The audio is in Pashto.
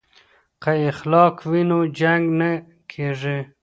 که اخلاق وي نو جنګ نه کیږي.